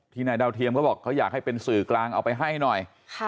นายดาวเทียมเขาบอกเขาอยากให้เป็นสื่อกลางเอาไปให้หน่อย